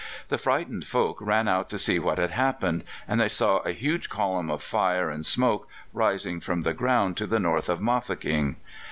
The frightened folk ran out to see what had happened, and they saw a huge column of fire and smoke rising from the ground to the north of Mafeking.